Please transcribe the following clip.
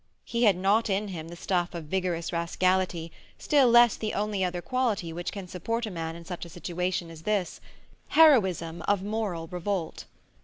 He had not in him the stuff of vigorous rascality, still less the only other quality which can support a man in such a situation as this—heroism of moral revolt.